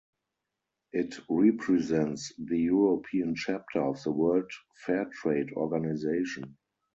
It represents the European chapter of the World Fair Trade Organization.